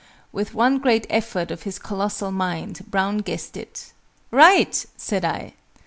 With one great effort of his colossal mind, Brown guessed it. "Right!" said I.